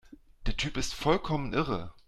Der Typ ist vollkommen irre